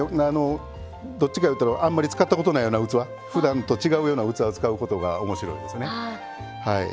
どっちかというとあんまり使ったことのないような器ふだんと違うような器を使うことがおもしろいですね。